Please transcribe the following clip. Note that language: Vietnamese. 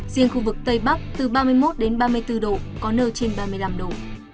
riêng khu vực tây bắc từ ba mươi một đến ba mươi bốn độ có nơi trên ba mươi năm độ